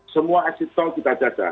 semua exit tol kita jaga